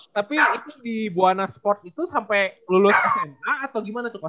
tapi itu di buana sport itu sampai lulus sma atau gimana tuh kok